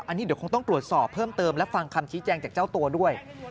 อันนี้เดี๋ยวคงต้องตรวจสอบเพิ่มเติมและฟังคำชี้แจงจากเจ้าตัวด้วย